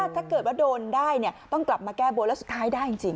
ถ้าเกิดว่าโดนได้ต้องกลับมาแก้บนแล้วสุดท้ายได้จริง